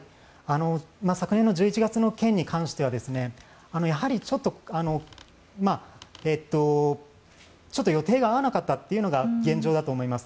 昨年の１１月の件に関してはやはり、ちょっと予定が合わなかったというのが現状だと思います。